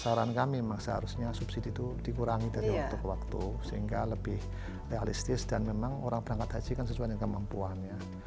saran kami memang seharusnya subsidi itu dikurangi dari waktu ke waktu sehingga lebih realistis dan memang orang berangkat haji kan sesuai dengan kemampuannya